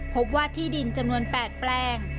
พบว่าที่ดินจำนวน๘แปลง